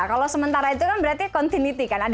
kalau sementara itu kan berarti continuity kan